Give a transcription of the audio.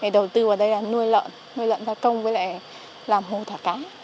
đầu tư ở đây là nuôi lợn nuôi lợn gia công với lại làm hồ thả cá